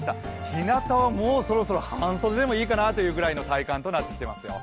ひなたは、もうそろろそ半袖出てもいいかなというくらいの体感となってきていますよ。